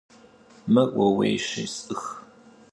Мыр ууейщи, сӏых.